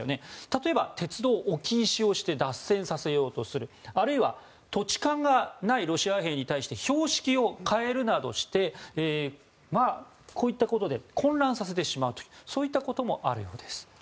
例えば、鉄道置き石をして脱線させようとするあるいは土地勘がないロシア兵に対して標識を変えるなどしてこういったことで混乱させてしまうというそういったこともあるようです。